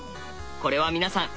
これは皆さん